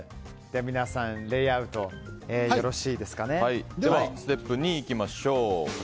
皆さん、レイアウトステップ２いきましょう。